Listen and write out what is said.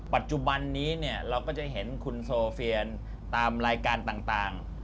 ปัจจุบันนี้เนี่ยเราก็จะเห็นคุณโซเฟียนตามรายการต่าง